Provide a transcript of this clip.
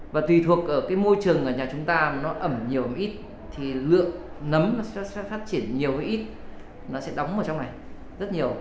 và tùy thuộc cái môi trường ở nhà chúng ta nó ẩm nhiều ít thì lượng nấm nó sẽ phát triển nhiều nó ít nó sẽ đóng ở trong này rất nhiều